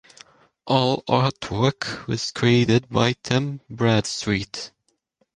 All artwork was created by Tim Bradstreet.